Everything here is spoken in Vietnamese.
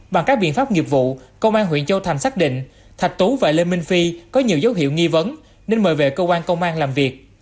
bằng các biện pháp nghiệp vụ công an huyện châu thành xác định thạch tú và lê minh phi có nhiều dấu hiệu nghi vấn nên mời về cơ quan công an làm việc